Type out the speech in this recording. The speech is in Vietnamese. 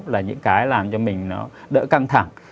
là những cái làm cho mình nó đỡ căng thẳng